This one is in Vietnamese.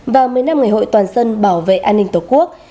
và một mươi năm ngày hội toàn dân bảo vệ an ninh tổ quốc